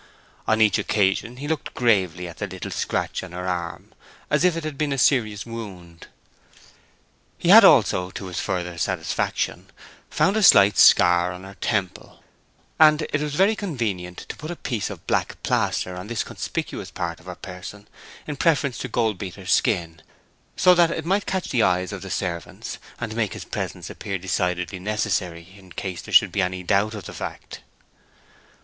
On each occasion he looked gravely at the little scratch on her arm, as if it had been a serious wound. He had also, to his further satisfaction, found a slight scar on her temple, and it was very convenient to put a piece of black plaster on this conspicuous part of her person in preference to gold beater's skin, so that it might catch the eyes of the servants, and make his presence appear decidedly necessary, in case there should be any doubt of the fact.